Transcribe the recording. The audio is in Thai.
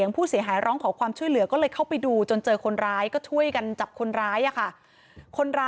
อันนี้ผู้หญิงบอกว่าช่วยด้วยหนูไม่ได้เป็นอะไรกันเขาจะปั้มหนูอะไรอย่างนี้